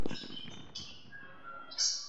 که یو څوک ډېره هڅه ونه کړي نو بریا ته نه رسېږي.